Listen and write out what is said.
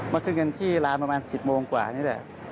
ขึ้นเงินที่ร้านประมาณ๑๐โมงกว่านี่แหละ